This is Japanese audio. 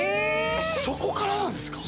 そこからなんですか？